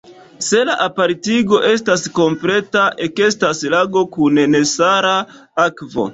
Se la apartigo estas kompleta, ekestas lago kun nesala akvo.